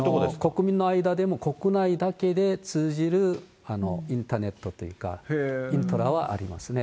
国民の間でも国内だけで通じるインターネットというか、イントラはありますね。